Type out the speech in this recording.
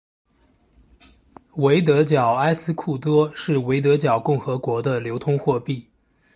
维德角埃斯库多是维德角共和国的流通货币。